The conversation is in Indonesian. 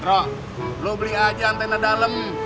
drok lo beli aja antena dalem